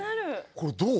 これどう？